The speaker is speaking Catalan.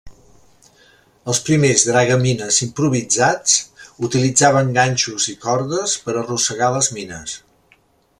Els primers dragamines improvisats utilitzaven ganxos i cordes per arrossegar les mines.